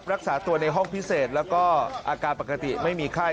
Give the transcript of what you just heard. รักษาตัวในห้องพิเศษแล้วก็อาการปกติไม่มีไข้